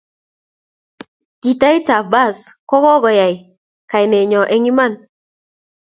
gitait ap bass kokaikaiyo eng iman